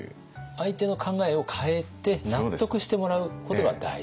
相手の考えを変えて納得してもらうことが大事。